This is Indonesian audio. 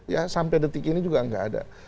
ya sampai detik ini juga nggak ada